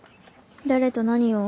誰と何を？